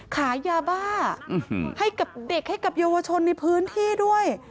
ขายยาบ้าให้กับเด็กให้กับเยาวชนในพื้นที่ด้วย